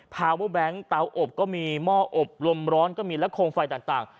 ภาวะแบงก์เตาอบก็มีหม้ออบลมร้อนก็มีและโครงไฟต่างต่าง